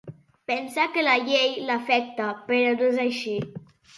Pensa que la llei l'afecta, però no és així.